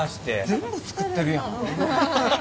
全部作ってるやん。